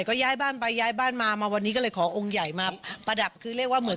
คำพูดสาธารณะแปลก